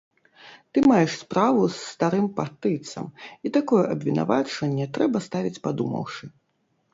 Ты маеш справу з старым партыйцам, і такое абвінавачванне трэба ставіць падумаўшы.